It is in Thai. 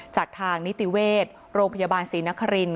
จากทางนิติเวชโรงพยาบาลศรีนครินท